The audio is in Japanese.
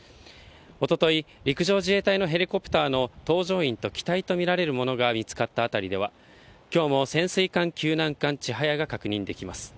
おととい、陸上自衛隊のヘリコプターの搭乗員と機体と見られるものが見つかった辺りでは、きょうも潜水艦救難艦ちはやが確認できます。